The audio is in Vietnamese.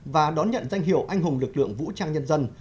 và đón nhận danh hiệu anh hùng lực lượng vũ trang nhân dân